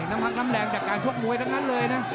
น้ำพักน้ำแรงจากการชกมวยทั้งนั้นเลยนะ